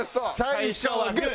最初はグー！